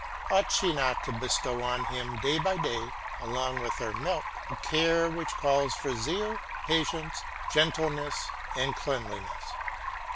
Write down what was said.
Ought she not to bestow on him day by day, along with her milk, a care which calls for zeal, patience, gentleness, and cleanliness.